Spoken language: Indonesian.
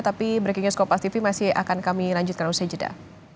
tapi breaking news tv masih akan kami lanjutkan usai jeda